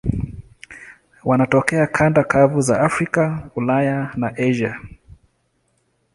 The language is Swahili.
Wanatokea kanda kavu za Afrika, Ulaya na Asia.